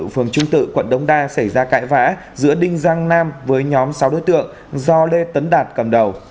phường trung tự quận đông đa xảy ra cãi vã giữa đinh giang nam với nhóm sáu đối tượng do lê tấn đạt cầm đầu